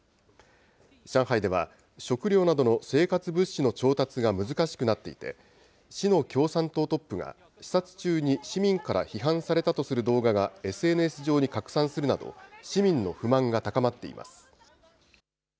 上海では、食料などの生活物資の調達が難しくなっていて、市の共産党トップが、視察中に市民から批判されたとする動画がＳＮＳ上に拡散するなど、市民の不満が高まっています。